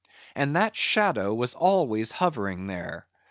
And that shadow was always hovering there.